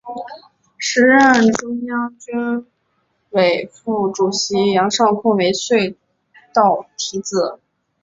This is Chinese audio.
时任中央军委副主席杨尚昆为隧道题字。